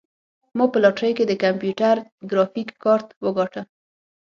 ما په لاټرۍ کې د کمپیوټر ګرافیک کارت وګاټه.